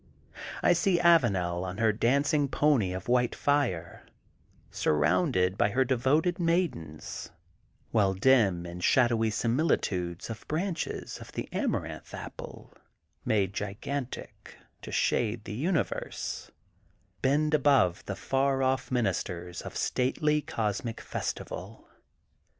I see Avanel on her dancing pony of white fire, surrounded by her devoted maidens, while dim and shadowy similitudes of branches of the Amaranth Apple, made gigantic to shade the Universe, bend above the far off ministers of stately cosmic festival.